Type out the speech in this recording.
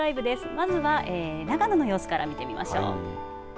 まずは長野の様子から見ていきましょう。